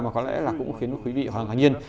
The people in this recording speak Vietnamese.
mà có lẽ là cũng khiến quý vị hoàn hảo nhiên